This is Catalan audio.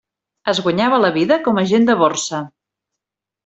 Es guanyava la vida com a agent de borsa.